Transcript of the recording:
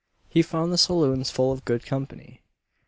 He found the saloons full of good company.